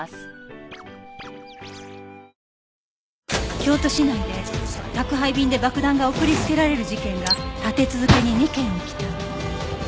京都市内で宅配便で爆弾が送りつけられる事件が立て続けに２件起きた